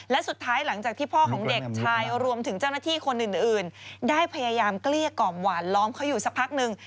และสุดท้ายหลังจากที่พ่อของเด็กชายรวมถึงเจ้าหน้าที่คนอื่นได้พยายามเกลี้ยกล่อมหวานล้อมเขาอยู่สักพักหนึ่ง